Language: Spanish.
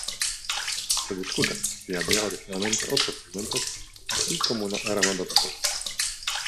Se discute si había originalmente otros segmentos, así como una rama dorsal.